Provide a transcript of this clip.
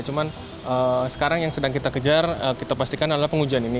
cuman sekarang yang sedang kita kejar kita pastikan adalah pengujian ini